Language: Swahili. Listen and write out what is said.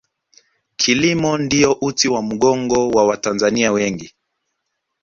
kilimo ndiyo uti wa mgongo wa watanzania wengi